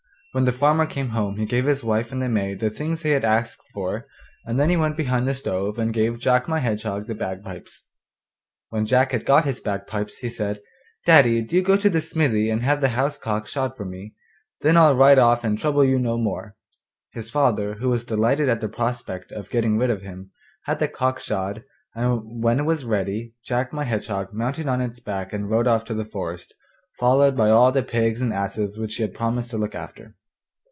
When the farmer came home he gave his wife and the maid the things they had asked for, and then he went behind the stove and gave Jack my Hedgehog the bagpipes. When Jack had got his bagpipes he said, 'Daddy, do go to the smithy and have the house cock shod for me; then I'll ride off and trouble you no more.' His father, who was delighted at the prospect of getting rid of him, had the cock shod, and when it was ready Jack my Hedgehog mounted on its back and rode off to the forest, followed by all the pigs and asses which he had promised to look after.